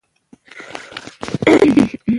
تجارتي معاملې د بانک له لارې په اسانۍ کیږي.